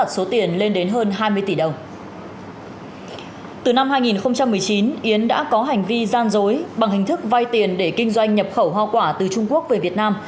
từ năm hai nghìn một mươi chín yến đã có hành vi gian dối bằng hình thức vay tiền để kinh doanh nhập khẩu hoa quả từ trung quốc về việt nam